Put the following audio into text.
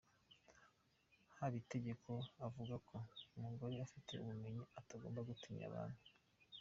Habitegeko avuga ko, umugore ufite ubumenyi atagomba gutinya banki.